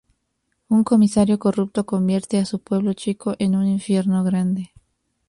Un comisario corrupto convierte a su pueblo chico en un infierno grande.